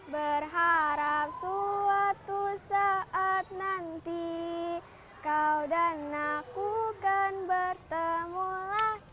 berharap suatu saat nanti kau dan aku kan bertemu lagi